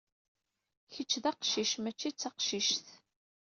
Kečč d aqcic, mačči d taqcict.